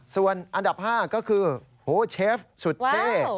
ส่วนอันดับ๕ก็คือโหเชฟสุดเท่